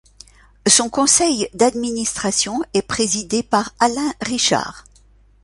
Son conseil d'administration est présidé par Alain Richard.